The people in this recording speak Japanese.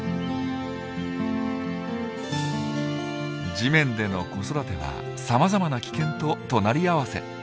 地面での子育てはさまざまな危険と隣り合わせ。